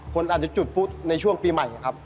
คนอาจจะจุดพุทธในช่วงปีใหม่ครับ